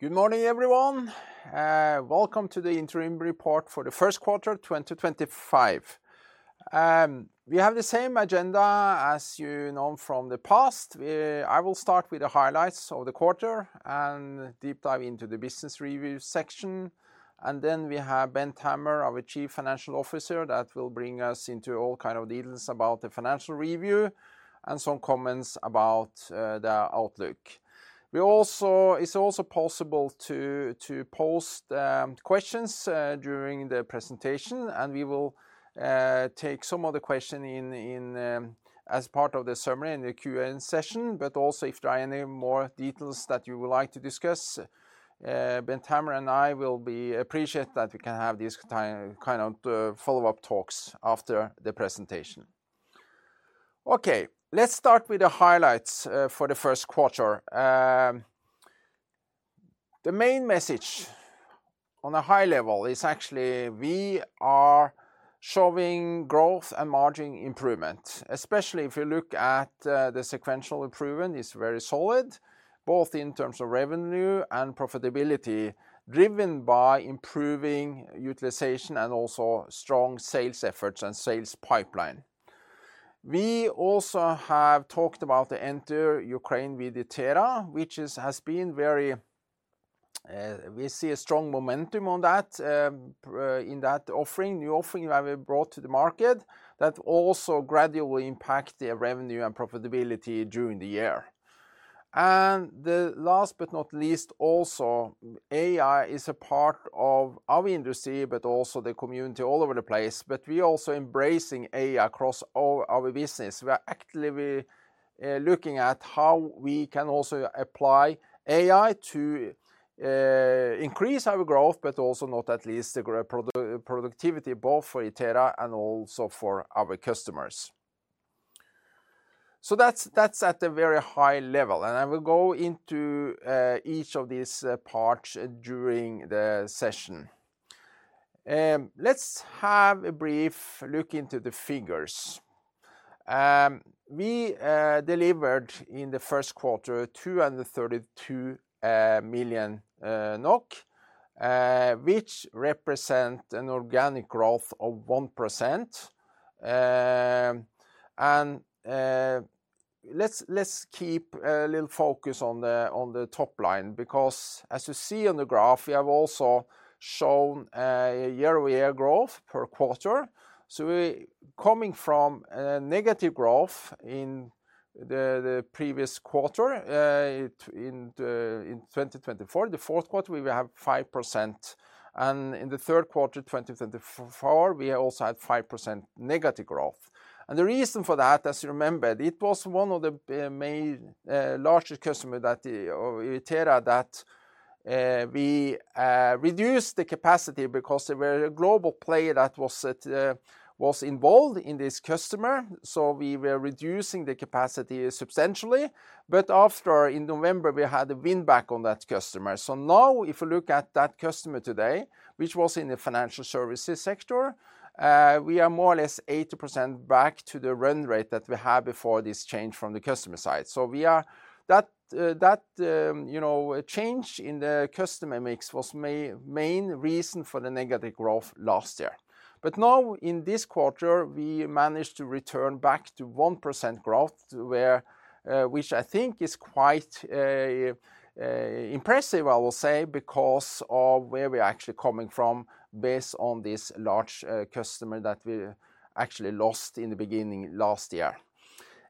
Good morning, everyone. Welcome to the interim report for the first quarter 2025. We have the same agenda as you know from the past. We—I will start with the highlights of the quarter and deep dive into the business review section. Then we have Bent Hammer, our Chief Financial Officer, that will bring us into all kinds of details about the financial review and some comments about the outlook. It is also possible to post questions during the presentation, and we will take some of the questions as part of the summary in the Q&A session. If there are any more details that you would like to discuss, Bent Hammer and I will appreciate that we can have these kind of follow-up talks after the presentation. Okay, let's start with the highlights for the first quarter. The main message on a high level is actually we are showing growth and margin improvement, especially if you look at the sequential improvement. It is very solid, both in terms of revenue and profitability, driven by improving utilization and also strong sales efforts and sales pipeline. We also have talked about the Enter Ukraine with Itera, which has been very—uh, we see a strong momentum on that, in that offering, new offering that we brought to the market that also gradually impacts the revenue and profitability during the year. The last but not least, also AI is a part of our industry, but also the community all over the place. We are also embracing AI across our business. We are actively looking at how we can also apply AI to increase our growth, but also not at least the productivity, both for Itera and also for our customers. That is at a very high level, and I will go into each of these parts during the session. Let's have a brief look into the figures. We delivered in the first quarter 232 million NOK, which represents an organic growth of 1%. Let's keep a little focus on the top line because, as you see on the graph, we have also shown a year-over-year growth per quarter. We are coming from a negative growth in the previous quarter, in 2024, the fourth quarter, we have 5%. In the third quarter 2024, we also had 5% negative growth. The reason for that, as you remember, it was one of the main, largest customers that Itera, that we reduced the capacity because there was a global player that was involved in this customer. We were reducing the capacity substantially. After, in November, we had a win back on that customer. If you look at that customer today, which was in the financial services sector, we are more or less 80% back to the run rate that we had before this change from the customer side. That, you know, change in the customer mix was the main reason for the negative growth last year. Now, in this quarter, we managed to return back to 1% growth, which I think is quite impressive, I will say, because of where we're actually coming from based on this large customer that we actually lost in the beginning last year.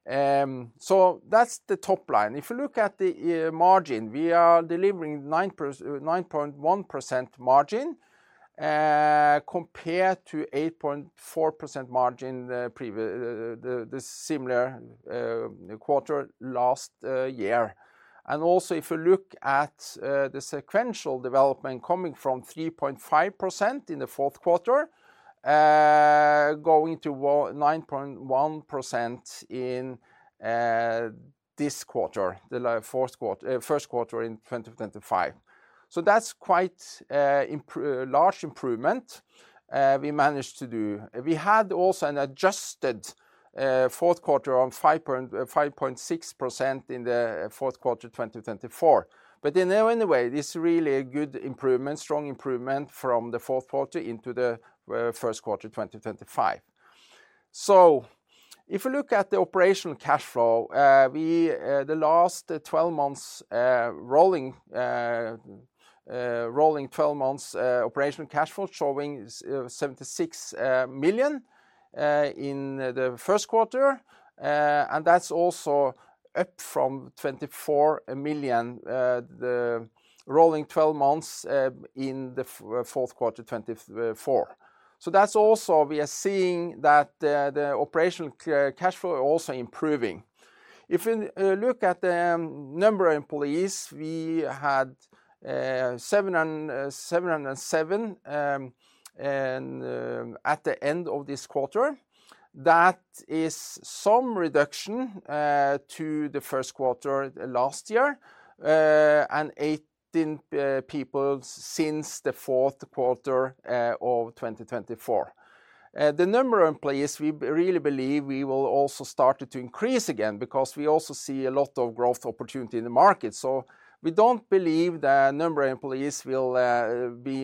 That's the top line. If you look at the margin, we are delivering 9.1% margin, compared to 8.4% margin the previous, the similar, quarter last year. If you look at the sequential development coming from 3.5% in the fourth quarter, going to 9.1% in this quarter, the fourth quarter, first quarter in 2025. That is quite a large improvement we managed to do. We had also an adjusted fourth quarter on 5.6% in the fourth quarter 2024. In any way, this is really a good improvement, strong improvement from the fourth quarter into the first quarter 2025. If you look at the operational cash flow, the last 12 months, rolling 12 months, operational cash flow showing 76 million in the first quarter. That is also up from 24 million, the rolling 12 months, in the fourth quarter 2024. We are seeing that the operational cash flow is also improving. If you look at the number of employees, we had 707 at the end of this quarter. That is some reduction to the first quarter last year, and 18 people since the fourth quarter of 2024. The number of employees, we really believe we will also start to increase again because we also see a lot of growth opportunity in the market. We do not believe the number of employees will be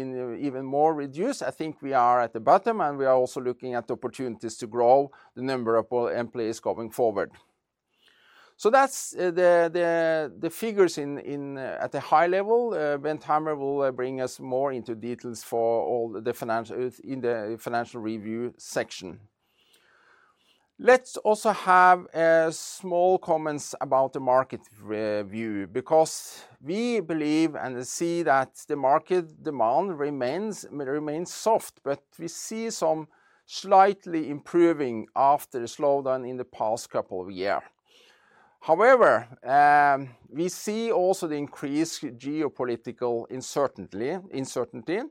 even more reduced. I think we are at the bottom, and we are also looking at opportunities to grow the number of employees going forward. That is the figures at a high level. Bent Hammer will bring us more into details for all the financial in the financial review section. Let's also have a small comment about the market review because we believe and see that the market demand remains soft, but we see some slightly improving after the slowdown in the past couple of years. However, we see also the increased geopolitical uncertainty.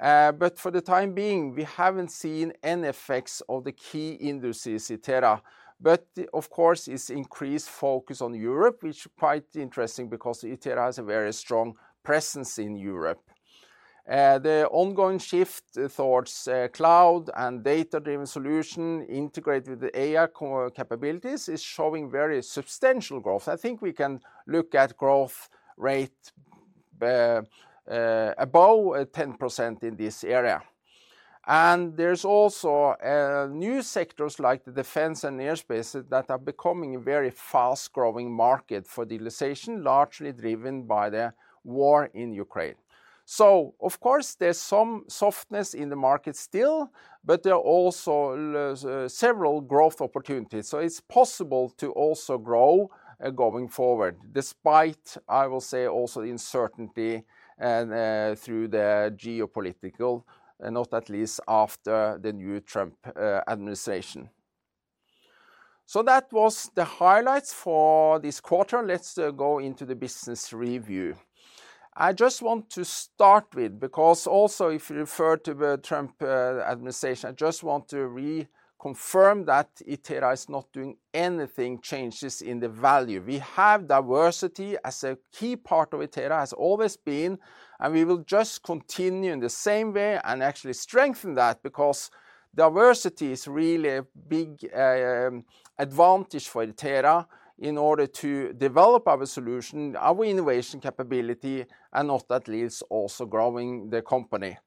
For the time being, we have not seen any effects on the key industries Itera. Of course, there is increased focus on Europe, which is quite interesting because Itera has a very strong presence in Europe. The ongoing shift towards cloud and data-driven solution integrated with the AI capabilities is showing very substantial growth. I think we can look at growth rate above 10% in this area. There are also new sectors like the defense and airspace that are becoming a very fast-growing market for utilization, largely driven by the war in Ukraine. Of course, there is some softness in the market still, but there are also several growth opportunities. It is possible to also grow going forward, despite, I will say, also the uncertainty and, through the geopolitical, and not at least after the new Trump administration. That was the highlights for this quarter. Let's go into the business review. I just want to start with, because also if you refer to the Trump administration, I just want to reconfirm that Itera is not doing any changes in the value. We have diversity as a key part of Itera, has always been, and we will just continue in the same way and actually strengthen that because diversity is really a big advantage for Itera in order to develop our solution, our innovation capability, and not at least also growing the company.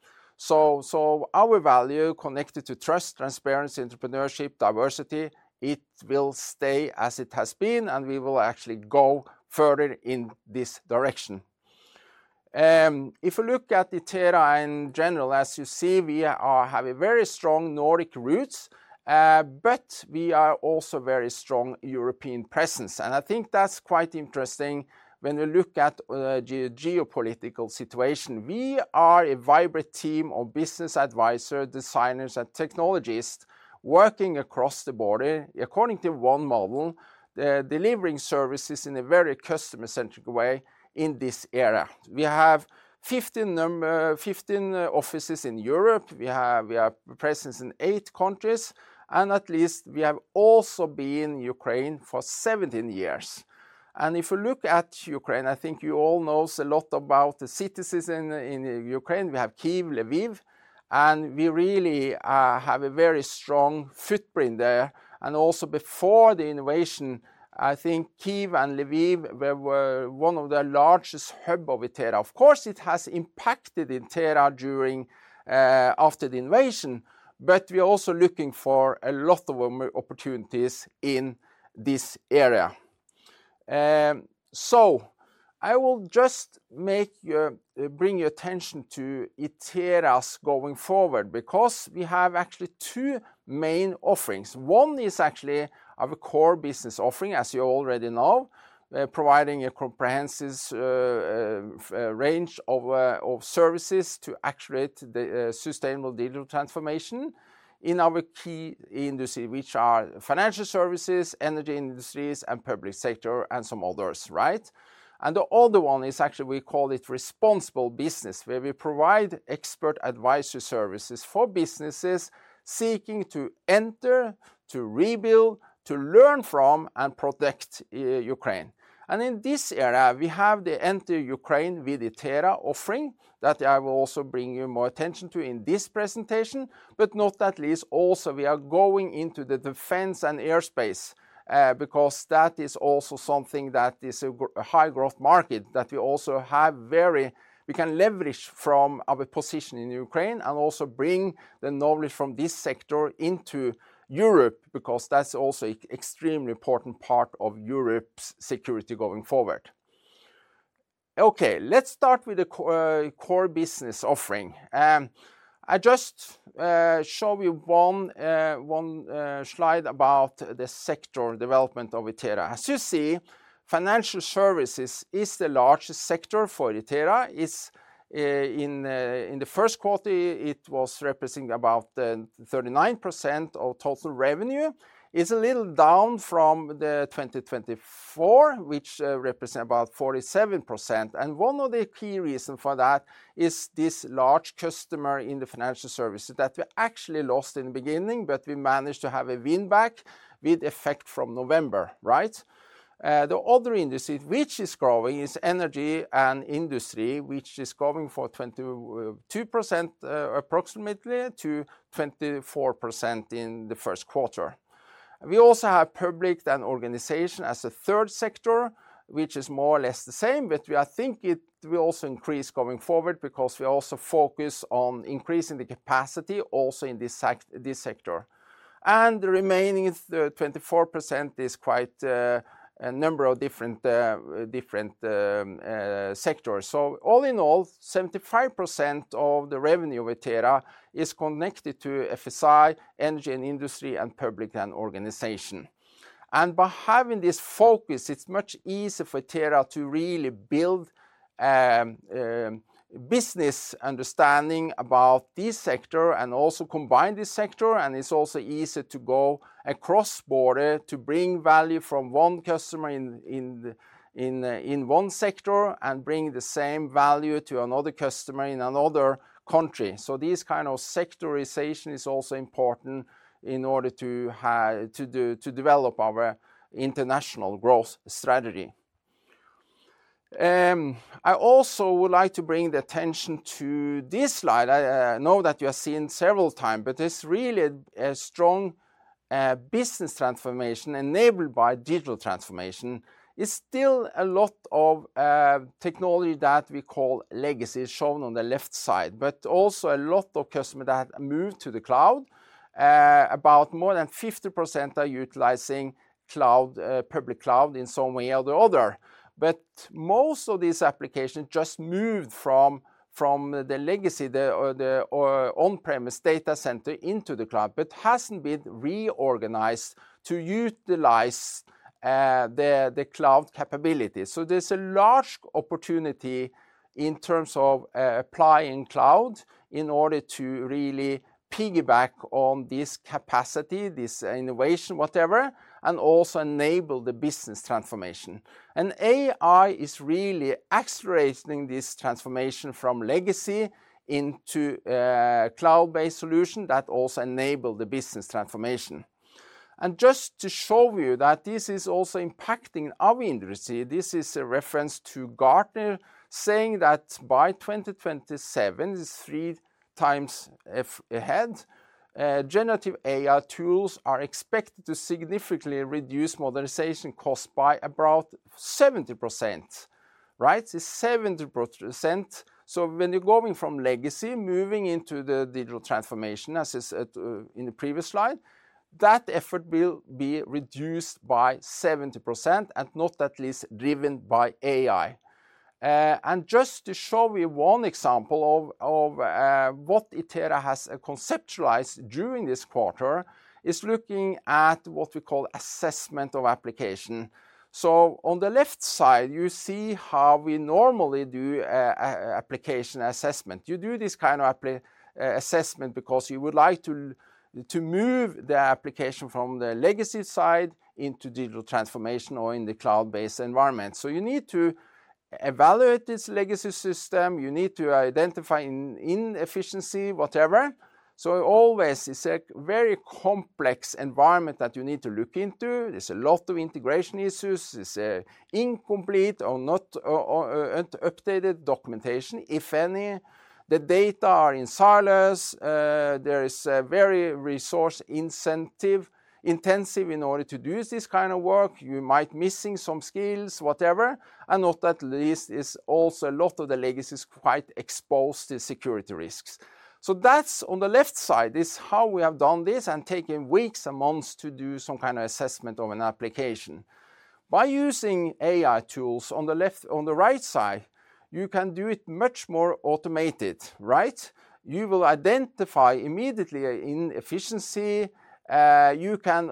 Our value connected to trust, transparency, entrepreneurship, diversity, it will stay as it has been, and we will actually go further in this direction. If you look at Itera in general, as you see, we have very strong Nordic roots, but we are also a very strong European presence. I think that's quite interesting when we look at the geopolitical situation. We are a vibrant team of business advisors, designers, and technologists working across the border, according to one model, delivering services in a very customer-centric way in this area. We have 15 offices in Europe. We have presence in eight countries, and at least we have also been in Ukraine for 17 years. If you look at Ukraine, I think you all know a lot about the citizens in Ukraine. We have Kyiv, Lviv, and we really have a very strong footprint there. Also before the invasion, I think Kyiv and Lviv were one of the largest hubs of Itera. Of course, it has impacted Itera during, after the invasion, but we are also looking for a lot of opportunities in this area. I will just bring your attention to Itera's going forward because we have actually two main offerings. One is actually our core business offering, as you already know, providing a comprehensive range of services to accelerate the sustainable digital transformation in our key industries, which are financial services, energy industries, and public sector, and some others, right? The other one is actually we call it responsible business, where we provide expert advisory services for businesses seeking to enter, to rebuild, to learn from, and protect Ukraine. In this area, we have the Enter Ukraine with Itera offering that I will also bring you more attention to in this presentation, but not at least also we are going into the defense and airspace, because that is also something that is a high-growth market that we also have very, we can leverage from our position in Ukraine and also bring the knowledge from this sector into Europe because that is also an extremely important part of Europe's security going forward. Okay, let's start with the core business offering. I just show you one slide about the sector development of Itera. As you see, financial services is the largest sector for Itera. It's, in the first quarter, it was representing about 39% of total revenue. It's a little down from 2024, which represents about 47%. One of the key reasons for that is this large customer in the financial services that we actually lost in the beginning, but we managed to have a win back with effect from November, right? The other industry which is growing is energy and industry, which is growing for 22% to approximately 24% in the first quarter. We also have public and organization as a third sector, which is more or less the same, but I think it will also increase going forward because we also focus on increasing the capacity also in this sector. The remaining 24% is quite a number of different sectors. All in all, 75% of the revenue of Itera is connected to FSI, energy and industry, and public and organization. By having this focus, it's much easier for Itera to really build business understanding about this sector and also combine this sector. It's also easier to go across border to bring value from one customer in one sector and bring the same value to another customer in another country. These kind of sectorization is also important in order to have, to do, to develop our international growth strategy. I also would like to bring the attention to this slide. I know that you have seen several times, but it's really a strong business transformation enabled by digital transformation. It's still a lot of technology that we call legacy shown on the left side, but also a lot of customers that have moved to the cloud. About more than 50% are utilizing cloud, public cloud in some way or the other. Most of these applications just moved from the legacy, the on-premise data center into the cloud, but hasn't been reorganized to utilize the cloud capability. There is a large opportunity in terms of applying cloud in order to really piggyback on this capacity, this innovation, whatever, and also enable the business transformation. AI is really accelerating this transformation from legacy into cloud-based solution that also enables the business transformation. Just to show you that this is also impacting our industry, this is a reference to Gartner saying that by 2027, it's 3x ahead, generative AI tools are expected to significantly reduce modernization costs by about 70%, right? It's 70%. When you're going from legacy, moving into the digital transformation, as is in the previous slide, that effort will be reduced by 70% and not at least driven by AI. Just to show you one example of what Itera has conceptualized during this quarter is looking at what we call assessment of application. On the left side, you see how we normally do application assessment. You do this kind of app assessment because you would like to move the application from the legacy side into digital transformation or in the cloud-based environment. You need to evaluate this legacy system. You need to identify inefficiency, whatever. Always, it is a very complex environment that you need to look into. There are a lot of integration issues. It is incomplete or not updated documentation, if any. The data are in silos. There is a very resource-intensive effort in order to do this kind of work. You might be missing some skills, whatever. Not at least, a lot of the legacy is quite exposed to security risks. That's on the left side is how we have done this and taken weeks and months to do some kind of assessment of an application. By using AI tools on the left, on the right side, you can do it much more automated, right? You will identify immediately inefficiency. You can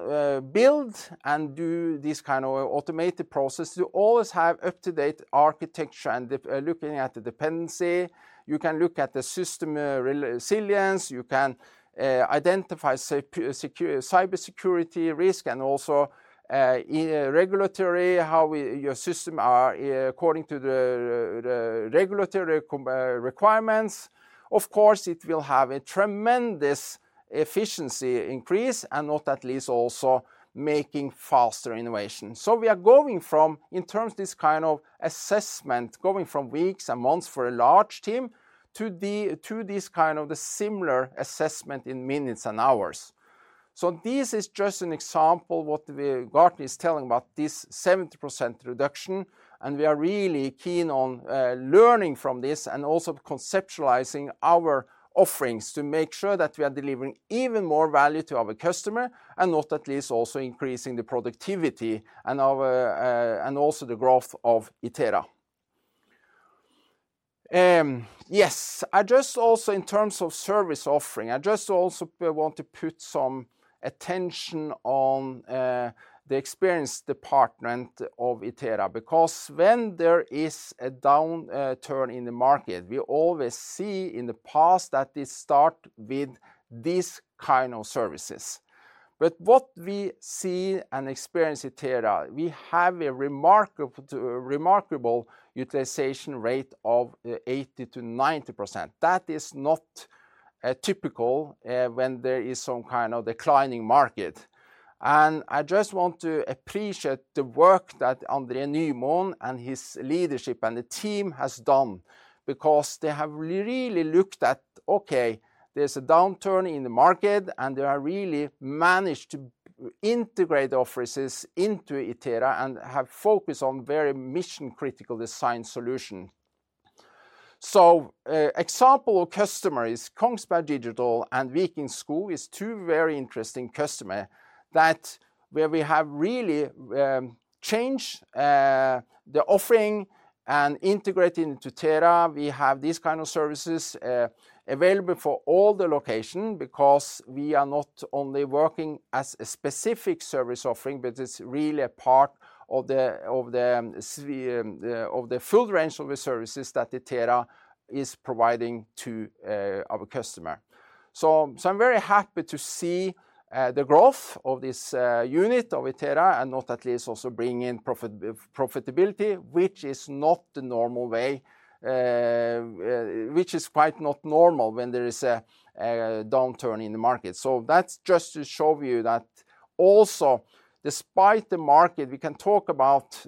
build and do this kind of automated process to always have up-to-date architecture and looking at the dependency. You can look at the system resilience. You can identify secure cybersecurity risk and also, regulatory how your system are according to the regulatory requirements. Of course, it will have a tremendous efficiency increase and not at least also making faster innovation. We are going from, in terms of this kind of assessment, going from weeks and months for a large team to this kind of the similar assessment in minutes and hours. This is just an example of what Gartner is telling about this 70% reduction. We are really keen on learning from this and also conceptualizing our offerings to make sure that we are delivering even more value to our customer and not at least also increasing the productivity and our, and also the growth of Itera. Yes, I just also in terms of service offering, I just also want to put some attention on the experience department of Itera because when there is a downturn in the market, we always see in the past that it starts with these kinds of services. What we see and experience at Itera, we have a remarkable utilization rate of 80%-90%. That is not typical when there is some kind of declining market. I just want to appreciate the work that Andre Nymoen and his leadership and the team has done because they have really looked at, okay, there's a downturn in the market and they have really managed to integrate the offices into Itera and have focused on very mission-critical design solutions. An example of customers is Kongsberg Digital and Viken Skog is two very interesting customers where we have really changed the offering and integrated into Itera. We have these kinds of services available for all the locations because we are not only working as a specific service offering, but it's really a part of the full range of the services that Itera is providing to our customer. I'm very happy to see the growth of this unit of Itera and not at least also bring in profitability, which is not the normal way, which is quite not normal when there is a downturn in the market. That's just to show you that also despite the market, we can talk about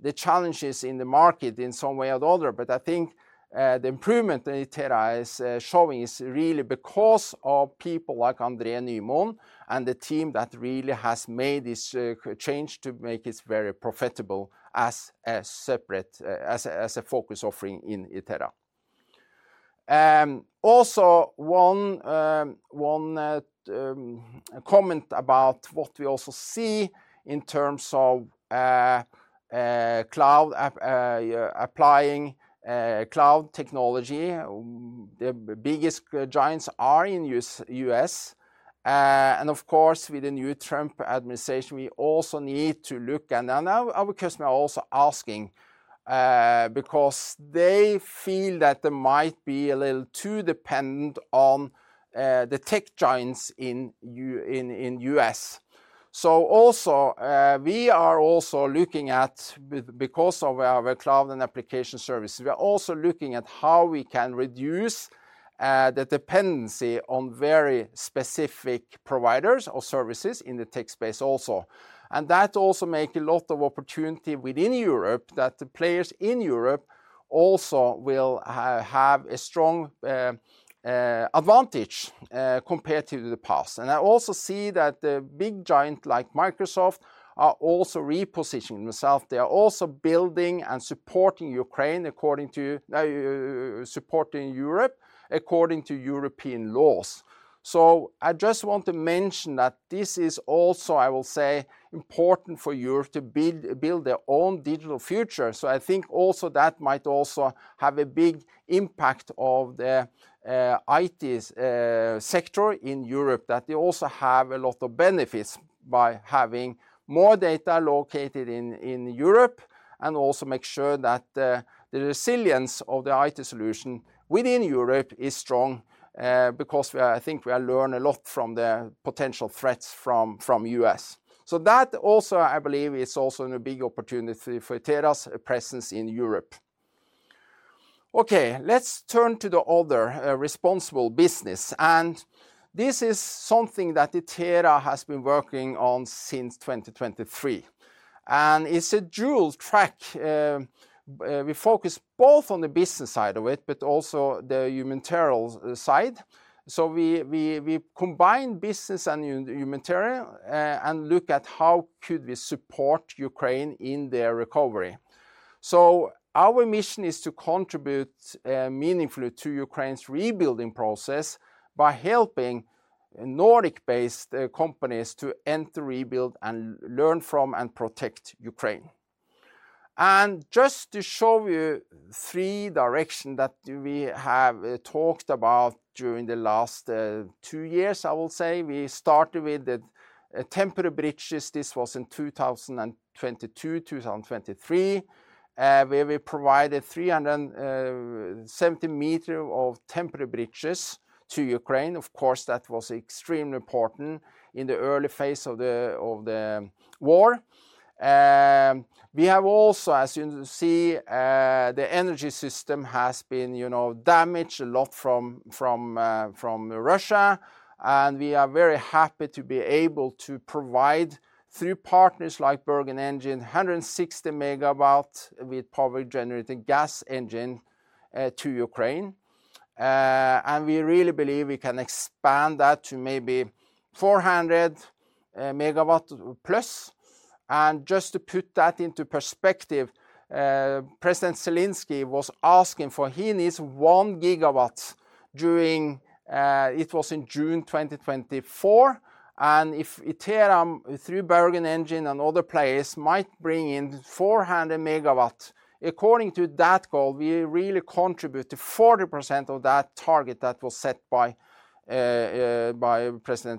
the challenges in the market in some way or the other, but I think the improvement that Itera is showing is really because of people like Andre Nymoen and the team that really has made this change to make it very profitable as a separate, as a focus offering in Itera. Also, one comment about what we also see in terms of cloud, applying cloud technology. The biggest giants are in the U.S. Of course, with the new Trump administration, we also need to look, and now our customers are also asking, because they feel that they might be a little too dependent on the tech giants in the U.S. We are also looking at, because of our cloud and application services, how we can reduce the dependency on very specific providers or services in the tech space also. That also makes a lot of opportunity within Europe, that the players in Europe also will have a strong advantage compared to the past. I also see that the big giants like Microsoft are also repositioning themselves. They are also building and supporting Ukraine according to, supporting Europe according to European laws. I just want to mention that this is also, I will say, important for Europe to build, build their own digital future. I think also that might also have a big impact on the IT sector in Europe, that they also have a lot of benefits by having more data located in Europe and also make sure that the resilience of the IT solution within Europe is strong, because we are, I think we are learning a lot from the potential threats from the U.S. That also, I believe, is also a big opportunity for Itera's presence in Europe. Okay, let's turn to the other, responsible business. This is something that Itera has been working on since 2023. It's a dual track. We focus both on the business side of it, but also the humanitarian side. We combine business and humanitarian, and look at how could we support Ukraine in their recovery. Our mission is to contribute, meaningfully to Ukraine's rebuilding process by helping Nordic-based companies to enter, rebuild, and learn from and protect Ukraine. Just to show you three directions that we have talked about during the last two years, I will say we started with the temporary bridges. This was in 2022, 2023, where we provided 370 m of temporary bridges to Ukraine. Of course, that was extremely important in the early phase of the war. We have also, as you see, the energy system has been, you know, damaged a lot from Russia. We are very happy to be able to provide through partners like Bergen Engines 160 MW with power generating gas engines to Ukraine. We really believe we can expand that to maybe 400+ MW. Just to put that into perspective, President Zelenskyy was asking for his 1 GW during, it was in June 2024. If Itera through Bergen Engines and other players might bring in 400 MW, according to that goal, we really contribute to 40% of that target that was set by President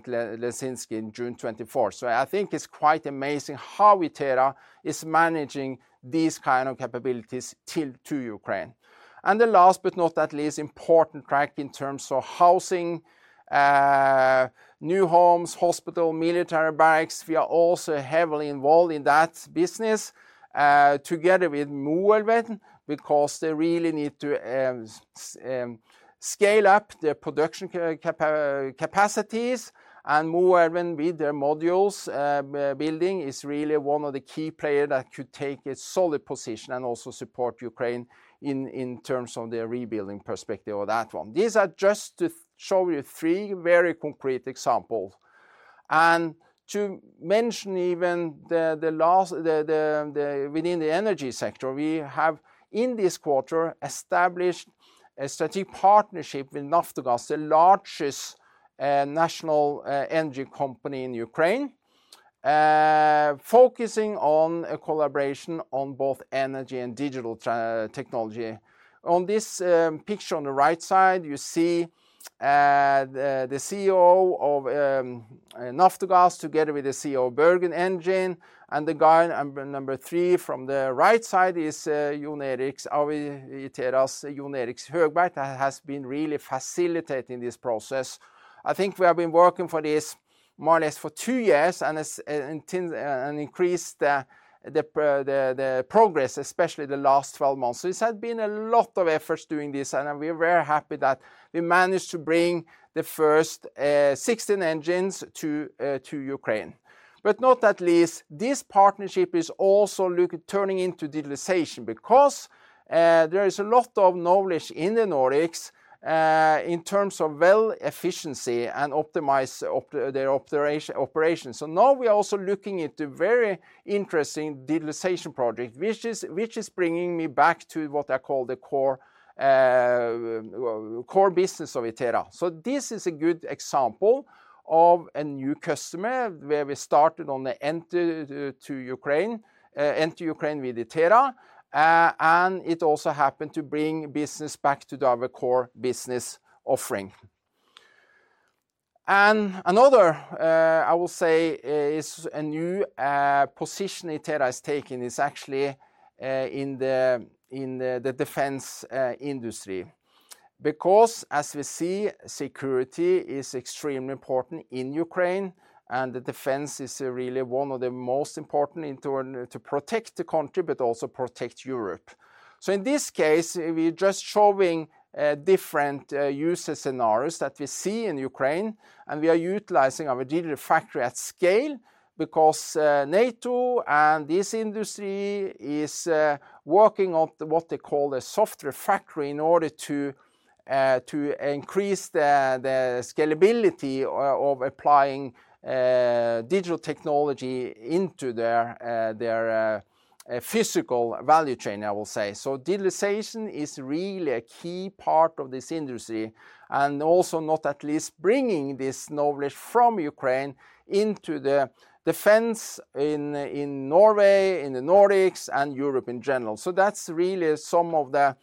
Zelenskyy in June 2024. I think it is quite amazing how Itera is managing these kinds of capabilities to Ukraine. The last, but not the least important track in terms of housing, new homes, hospitals, military barracks, we are also heavily involved in that business, together with Moelven, because they really need to scale up their production capacities. Moelven, with their modules, building is really one of the key players that could take a solid position and also support Ukraine in terms of their rebuilding perspective of that one. These are just to show you three very concrete examples. To mention even the last, within the energy sector, we have in this quarter established a strategic partnership with Naftogaz, the largest national energy company in Ukraine, focusing on a collaboration on both energy and digital technology. On this picture on the right side, you see the CEO of Naftogaz together with the CEO of Bergen Engines. The guy number three from the right side is Itera's Jon Erik Høgberg that has been really facilitating this process. I think we have been working for this more or less for two years and it's increased, the progress, especially the last 12 months. It has been a lot of efforts doing this. We are very happy that we managed to bring the first 16 engines to Ukraine. Not at least, this partnership is also turning into digitalization because there is a lot of knowledge in the Nordics in terms of well efficiency and optimizing their operation. Now we are also looking into a very interesting digitalization project, which is bringing me back to what I call the core business of Itera. This is a good example of a new customer where we started on the entry to Ukraine, Enter Ukraine with Itera, and it also happened to bring business back to our core business offering. Another, I will say, is a new position Itera has taken is actually in the defense industry. Because as we see, security is extremely important in Ukraine and the defense is really one of the most important in order to protect the country, but also protect Europe. In this case, we are just showing different user scenarios that we see in Ukraine and we are utilizing our digital factory at scale because NATO and this industry are working on what they call a software factory in order to increase the scalability of applying digital technology into their physical value chain, I will say. Digitalization is really a key part of this industry and also not at least bringing this knowledge from Ukraine into the defense in Norway, in the Nordics, and Europe in general. That's really some of the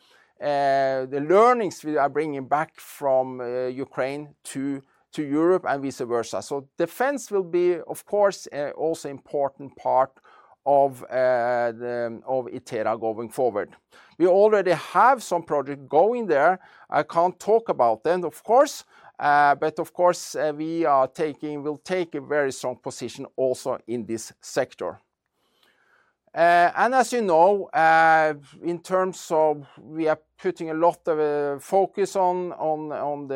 learnings we are bringing back from Ukraine to Europe and vice versa. Defense will be, of course, also an important part of Itera going forward. We already have some projects going there. I can't talk about them, of course, but we will take a very strong position also in this sector. As you know, we are putting a lot of focus on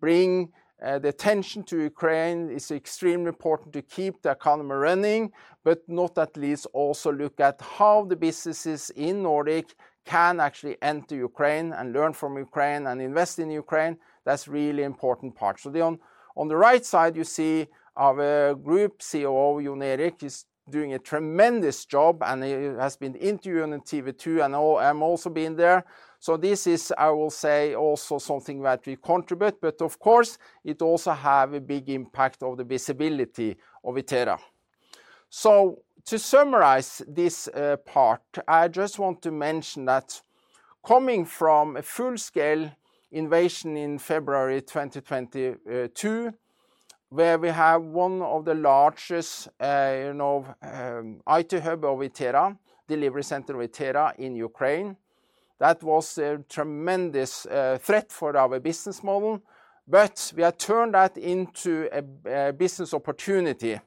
bringing attention to Ukraine. It is extremely important to keep the economy running, but not at least also look at how the businesses in Nordic can actually enter Ukraine and learn from Ukraine and invest in Ukraine. That's a really important part. On the right side, you see our Group COO, Jon Erik Høgberg, is doing a tremendous job and he has been interviewed on TV2 and I have also been there. This is, I will say, also something that we contribute, but of course it also has a big impact on the visibility of Itera. To summarize this part, I just want to mention that coming from a full-scale innovation in February 2022, where we have one of the largest, you know, IT hub of Itera, delivery center of Itera in Ukraine, that was a tremendous threat for our business model, but we have turned that into a business opportunity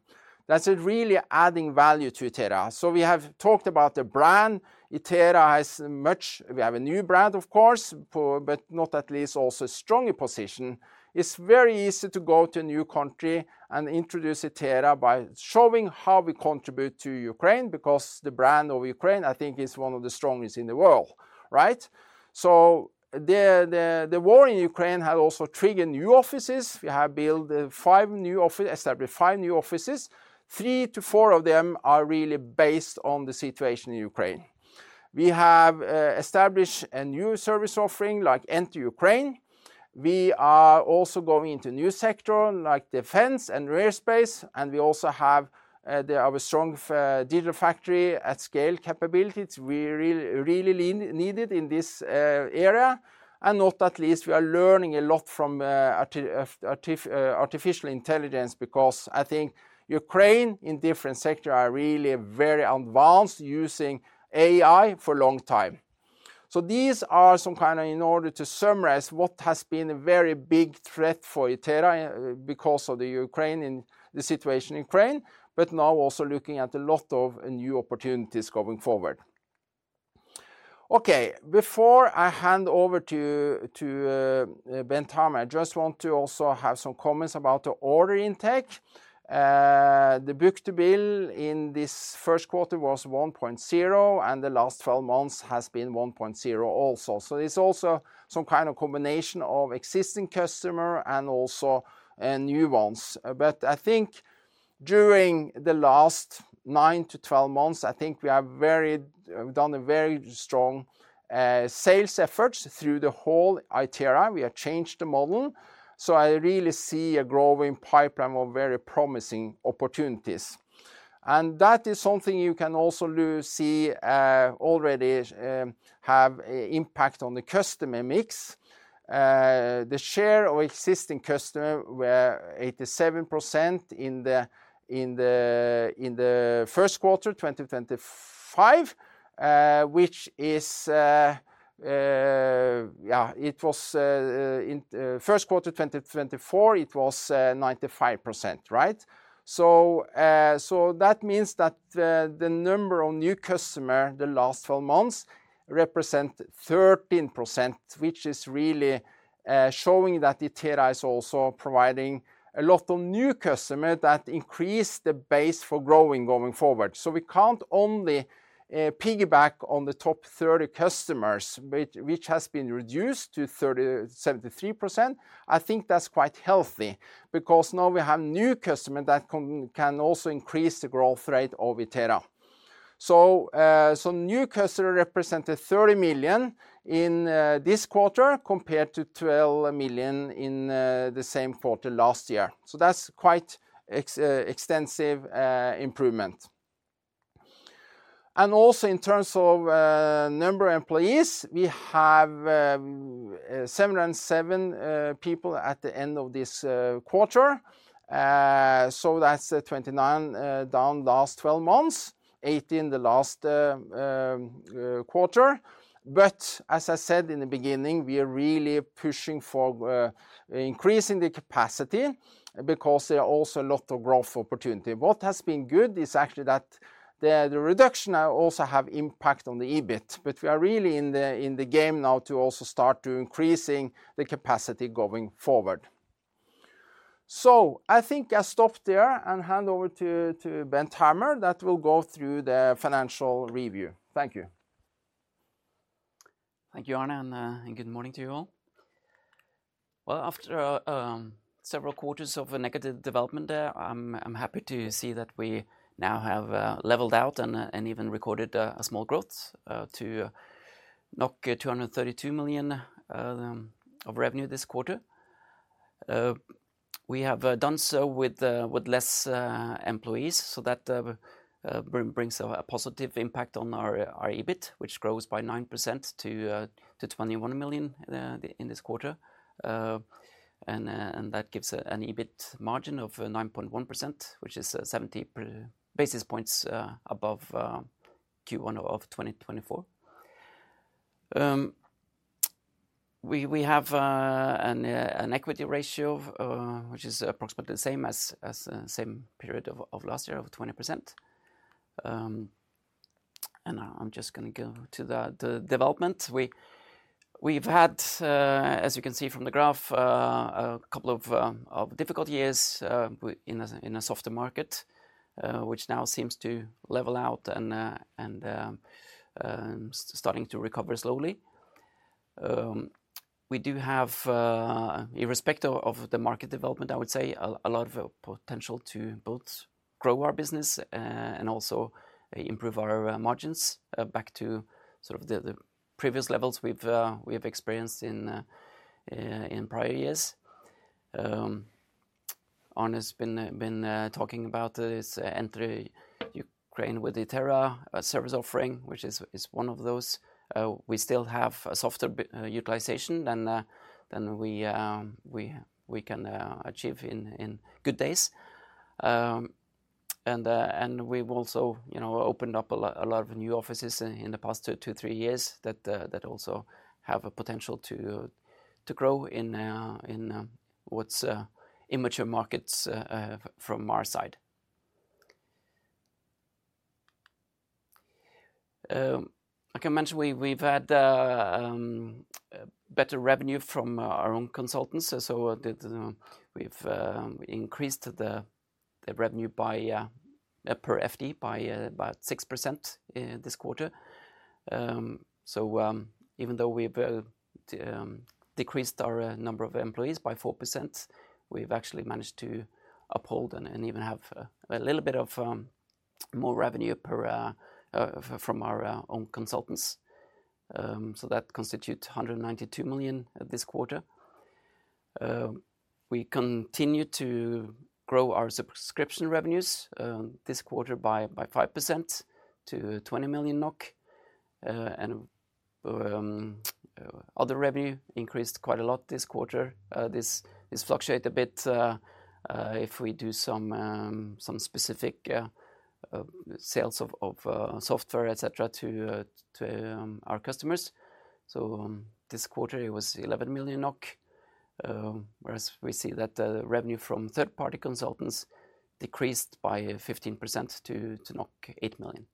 that's really adding value to Itera. We have talked about the brand Itera has much, we have a new brand, of course, but not at least also a stronger position. It's very easy to go to a new country and introduce Itera by showing how we contribute to Ukraine because the brand of Ukraine I think is one of the strongest in the world, right? The war in Ukraine has also triggered new offices. We have built five new offices, established five new offices. Three to four of them are really based on the situation in Ukraine. We have established a new service offering like Enter Ukraine. We are also going into new sectors like defense and airspace. We also have our strong digital factory at scale capabilities. We really, really need it in this area. Not at least, we are learning a lot from artificial intelligence because I think Ukraine in different sectors are really very advanced using AI for a long time. These are some kind of, in order to summarize what has been a very big threat for Itera because of the situation in Ukraine, but now also looking at a lot of new opportunities going forward. Okay, before I hand over to Bent Hammer, I just want to also have some comments about the order intake. The book-to-bill in this first quarter was 1.0 and the last 12 months has been 1.0 also. It is also some kind of combination of existing customer and also a new one. I think during the last nine to 12 months, I think we have done a very strong sales effort through the whole Itera. We have changed the model. I really see a growing pipeline of very promising opportunities. That is something you can also see already have an impact on the customer mix. The share of existing customers was 87% in the first quarter 2025, which is, yeah, in first quarter 2024, it was 95%, right? That means that the number of new customers the last 12 months represent 13%, which is really showing that Itera is also providing a lot of new customers that increase the base for growing going forward. We can't only piggyback on the top 30 customers, which has been reduced to 73%. I think that's quite healthy because now we have new customers that can also increase the growth rate of Itera. New customers represented 30 million in this quarter compared to 12 million in the same quarter last year. That's quite an extensive improvement. Also in terms of number of employees, we have 707 people at the end of this quarter. That is 29 down last 12 months, 18 the last quarter. As I said in the beginning, we are really pushing for increasing the capacity because there are also a lot of growth opportunity. What has been good is actually that the reduction also has an impact on the EBIT, but we are really in the game now to also start to increase the capacity going forward. I think I'll stop there and hand over to Bent Hammer that will go through the financial review. Thank you. Thank you, Arne, and good morning to you all. After several quarters of a negative development there, I'm happy to see that we now have leveled out and even recorded a small growth, to 232 million of revenue this quarter. We have done so with less employees so that brings a positive impact on our EBIT, which grows by 9% to 21 million in this quarter. That gives an EBIT margin of 9.1%, which is 70 basis points above Q1 of 2024. We have an equity ratio which is approximately the same as the same period of last year of 20%. I'm just going to go to the development. We have had, as you can see from the graph, a couple of difficult years in a softer market, which now seems to level out and is starting to recover slowly. We do have, irrespective of the market development, I would say a lot of potential to both grow our business and also improve our margins back to sort of the previous levels we've experienced in prior years. Arne has been talking about this Enter Ukraine with Itera service offering, which is one of those. We still have a softer utilization than we can achieve in good days, and we've also, you know, opened up a lot of new offices in the past two, three years that also have a potential to grow in what's immature markets from our side. I can mention we've had better revenue from our own consultants, so we've increased the revenue per FTE by about 6% in this quarter. Even though we've decreased our number of employees by 4%, we've actually managed to uphold and even have a little bit more revenue per, from our own consultants. That constitutes 192 million this quarter. We continue to grow our subscription revenues this quarter by 5% to 20 million NOK. Other revenue increased quite a lot this quarter. This fluctuates a bit if we do some specific sales of software, et cetera, to our customers. This quarter it was 11 million NOK, whereas we see that the revenue from third party consultants decreased by 15% to 8 million.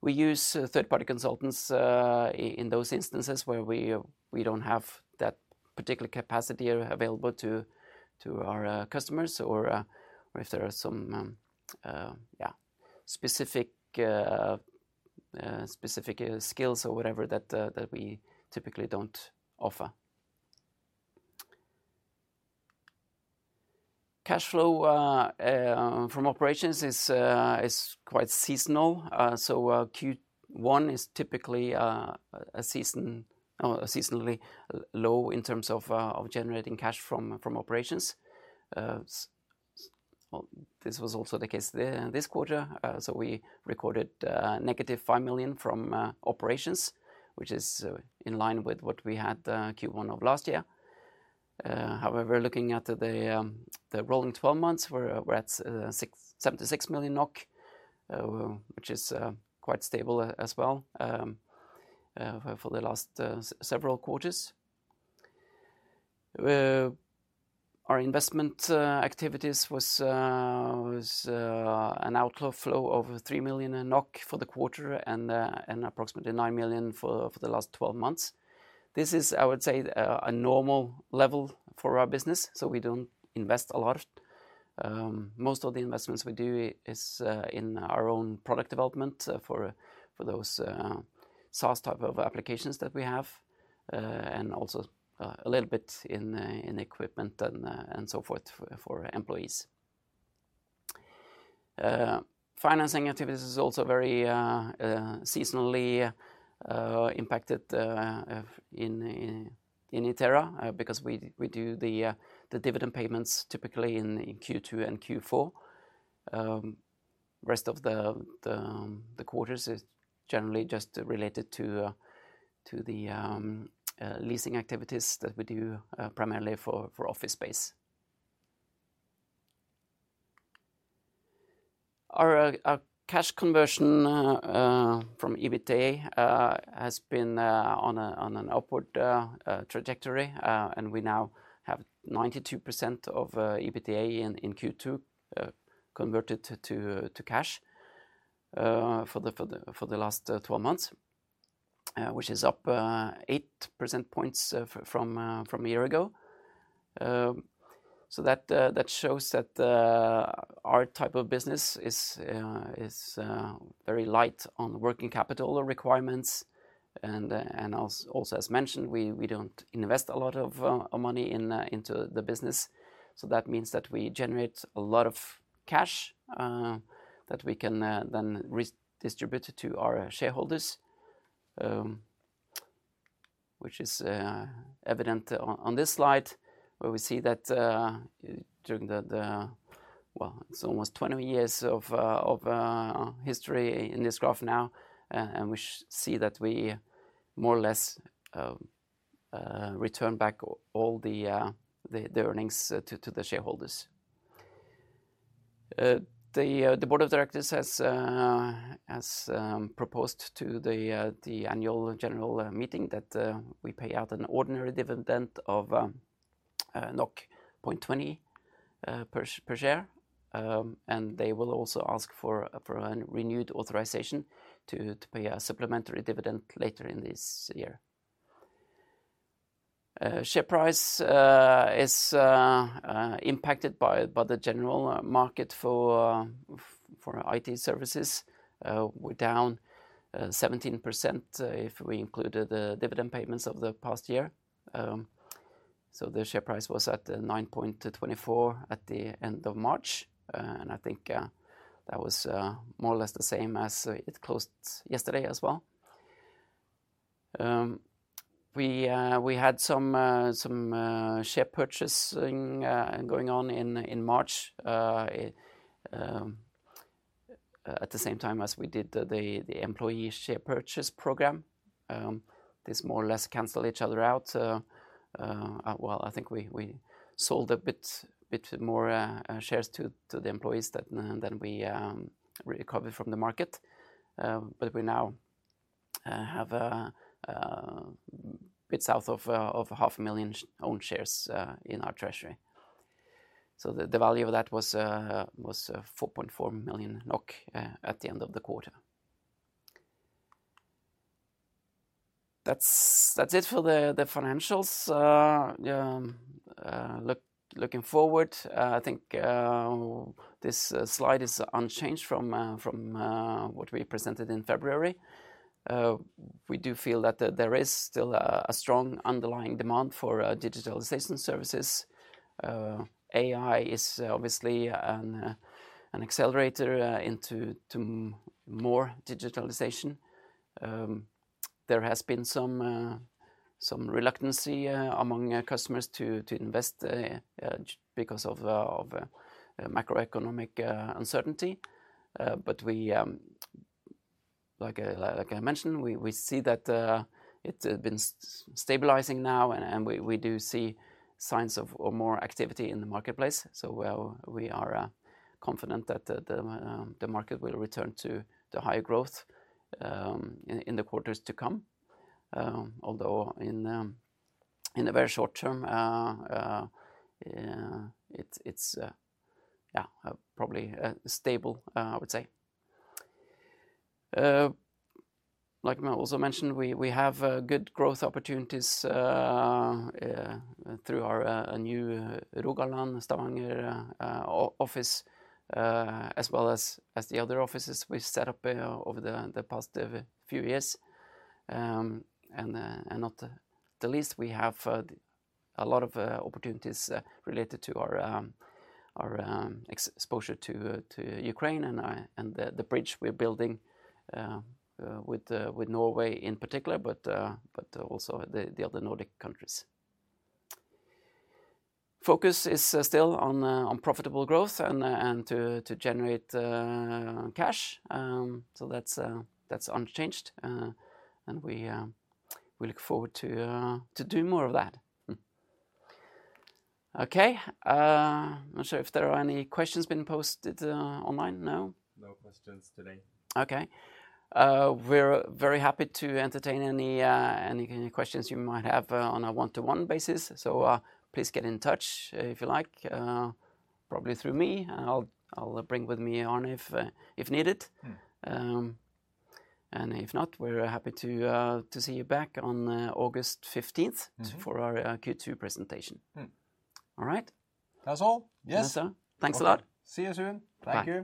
We use third party consultants in those instances where we don't have that particular capacity available to our customers or if there are some, yeah, specific skills or whatever that we typically don't offer. Cash flow from operations is quite seasonal. Q1 is typically a season, or seasonally low in terms of generating cash from operations. This was also the case this quarter. We recorded negative 5 million from operations, which is in line with what we had Q1 of last year. However, looking at the rolling 12 months, we're at 76 million NOK, which is quite stable as well for the last several quarters. Our investment activities was an outflow of 3 million NOK for the quarter and approximately 9 million for the last 12 months. This is, I would say, a normal level for our business. We do not invest a lot. Most of the investments we do is in our own product development for those SaaS type of applications that we have, and also a little bit in equipment and so forth for employees. Financing activities is also very seasonally impacted in Itera, because we do the dividend payments typically in Q2 and Q4. Rest of the quarters is generally just related to the leasing activities that we do, primarily for office space. Our cash conversion from EBITDA has been on an upward trajectory, and we now have 92% of EBITDA in Q2 converted to cash for the last 12 months, which is up 8 percentage points from a year ago. That shows that our type of business is very light on working capital requirements. Also, as mentioned, we do not invest a lot of money into the business. That means that we generate a lot of cash that we can then redistribute to our shareholders, which is evident on this slide where we see that during almost 20 years of history in this graph now, we more or less return back all the earnings to the shareholders. The board of directors has proposed to the annual general meeting that we pay out an ordinary dividend of 0.20 per share, and they will also ask for a renewed authorization to pay a supplementary dividend later in this year. Share price is impacted by the general market for IT services. We're down 17% if we included the dividend payments of the past year. The share price was at 9.24 at the end of March. I think that was more or less the same as it closed yesterday as well. We had some share purchasing going on in March at the same time as we did the employee share purchase program. This more or less canceled each other out. I think we sold a bit more shares to the employees than we recovered from the market. We now have a bit south of 500,000 owned shares in our treasury. The value of that was 4.4 million NOK at the end of the quarter. That's it for the financials. Look, looking forward, I think this slide is unchanged from what we presented in February. We do feel that there is still a strong underlying demand for digitalization services. AI is obviously an accelerator into more digitalization. There has been some reluctancy among customers to invest because of macroeconomic uncertainty. But we, like I mentioned, we see that it's been stabilizing now and we do see signs of more activity in the marketplace. We are confident that the market will return to the higher growth in the quarters to come. Although in the very short term, it's probably stable, I would say. Like I also mentioned, we have good growth opportunities through our new Rogaland Stavanger office, as well as the other offices we set up over the past few years. Not the least, we have a lot of opportunities related to our exposure to Ukraine and the bridge we're building with Norway in particular, but also the other Nordic countries. Focus is still on profitable growth and to generate cash, so that's unchanged. We look forward to do more of that. Okay. I'm not sure if there are any questions been posted online now. No questions today. We're very happy to entertain any questions you might have on a one-to-one basis, so please get in touch if you like, probably through me. I'll bring with me Arne if needed. If not, we're happy to see you back on August 15th for our Q2 presentation. All right. That's all. Yes. Thanks a lot. See you soon. Thank you.